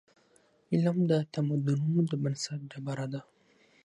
علم د تمدنونو د بنسټ ډبره ده.